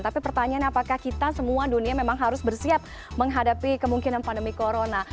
tapi pertanyaannya apakah kita semua dunia memang harus bersiap menghadapi kemungkinan pandemi corona